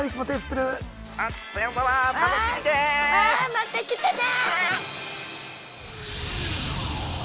また来てね。